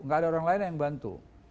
gak ada orang lain yang bantu